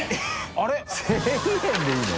△譟１０００円でいいの？